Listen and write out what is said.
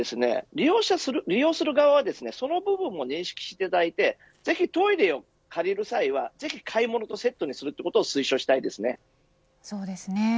利用する側はその部分を認識していただいてぜひトイレを借りる際は買い物とセットにするということそうですね。